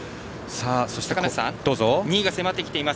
２位が迫ってきています。